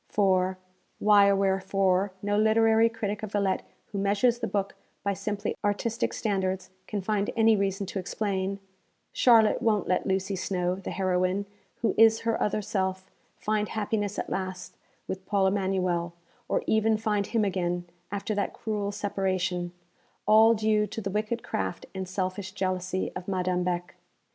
_ For (why or wherefore, no literary critic of Villette who measures the book by simply artistic standards can find any reason to explain) Charlotte won't let Lucy Snowe, the heroine, who is her other self, find happiness at last with Paul Emanuel: or even find him again, after that cruel separation, all due to the wicked craft and selfish jealousy of Madame Beck.